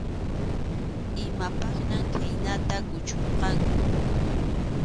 Imapaqñam khaynata kuchurqanku.